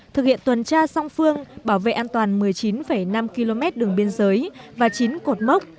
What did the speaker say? thực hiện tuần tra song phương bảo vệ an toàn một mươi chín năm km đường biên giới và chín cột mốc